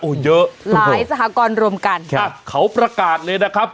โอ้เยอะหลายสาหกรรมกันครับเขาประกาศเลยนะครับ